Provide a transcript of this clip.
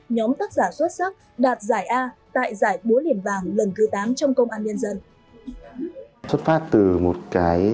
nhóm tác giả xuất sắc đạt giải a tại giải búa liềm vàng lần thứ tám trong công an nhân dân